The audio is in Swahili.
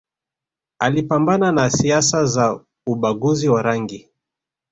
Alipambana na siasa za ubaguzi wa rangi